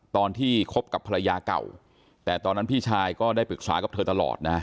ตอนที่คบกับภรรยาเก่าแต่ตอนนั้นพี่ชายก็ได้ปรึกษากับเธอตลอดนะฮะ